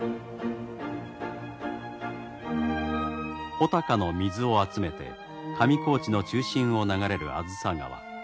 穂高の水を集めて上高地の中心を流れる梓川。